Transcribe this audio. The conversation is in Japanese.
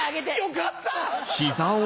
よかった。